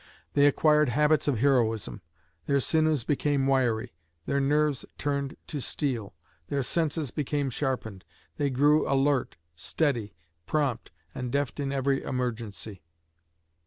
They acquired habits of heroism. Their sinews became wiry; their nerves turned to steel. Their senses became sharpened. They grew alert, steady, prompt and deft in every emergency.